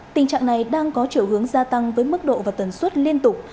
tình trạng này đang có chiều hướng gia tăng với mức độ và tần suất liên tục